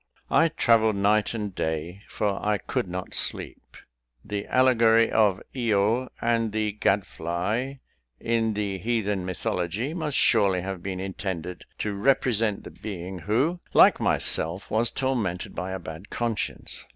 I travelled night and day; for I could not sleep. The allegory of Io and the gad fly, in the heathen mythology, must surely have been intended to represent the being, who, like myself, was tormented by a bad conscience.